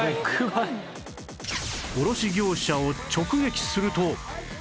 卸業者を直撃すると